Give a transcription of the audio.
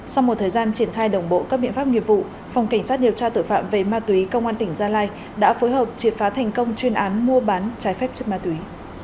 sau một thời gian triển khai đồng bộ các biện pháp nghiệp vụ phòng cảnh sát điều tra tử phạm về ma túy công an tỉnh gia lai đã phối hợp triệt phá thành công chuyên án mua bán trái phép chất ma túy